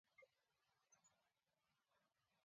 mechei kerub eng' oret ne nyolu ng'alekab mbarenik